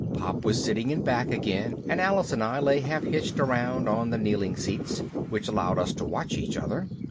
Pop was sitting in back again and Alice and I lay half hitched around on the kneeling seats, which allowed us to watch each other.